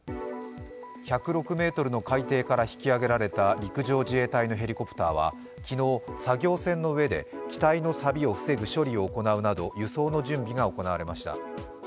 １０６ｍの海底から引き揚げられた陸上自衛隊のヘリコプターは昨日、作業船の上で機体のさびを防ぐ処理を行うなど輸送の準備が行われました。